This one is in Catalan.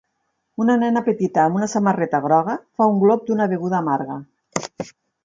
Una nena petita amb una samarreta groga fa un glop d'una beguda amarga